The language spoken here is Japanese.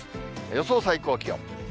予想最高気温。